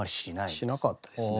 しなかったですね。